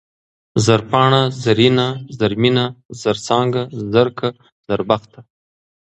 زرپاڼه ، زرينه ، زرمينه ، زرڅانگه ، زرکه ، زربخته